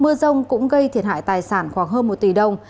mưa rông cũng gây thiệt hại tài sản khoảng hơn một tỷ đồng